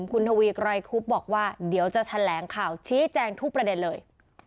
คุณทวีไกรคุบบอกว่าเดี๋ยวจะแถลงข่าวชี้แจงทุกประเด็นเลย